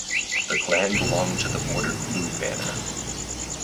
The clan belonged to the Bordered Blue Banner.